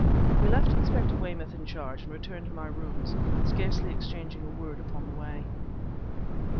We left Inspector Weymouth in charge and returned to my rooms, scarcely exchanging a word upon the way.